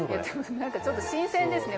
何かちょっと新鮮ですね